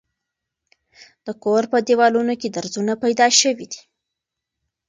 د کور په دېوالونو کې درځونه پیدا شوي دي.